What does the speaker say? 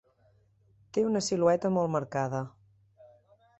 Té una silueta molt marcada.